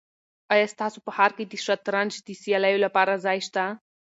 آیا ستاسو په ښار کې د شطرنج د سیالیو لپاره ځای شته؟